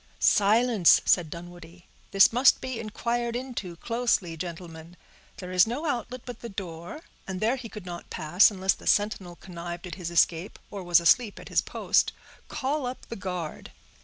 "Silence!" said Dunwoodie. "This must be inquired into closely, gentlemen; there is no outlet but the door, and there he could not pass, unless the sentinel connived at his escape, or was asleep at his post. Call up the guard."